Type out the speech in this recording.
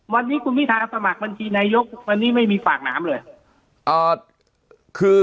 วันนี้คุณพิทาสมัครบัญชีนายกวันนี้ไม่มีฝากน้ำเลย